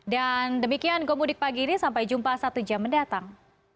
dan demikian komudik pagi ini sampai jumpa satu jam mendatang